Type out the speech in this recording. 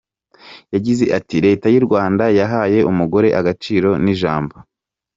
Yagize ati “Leta y’u Rwanda yahaye umugore agaciro n’ijambo.